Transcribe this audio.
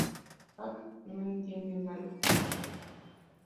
Jack no entiende nada.